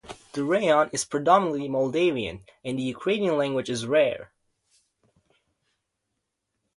The raion is predominantly Moldavian and the Ukrainian language is rare.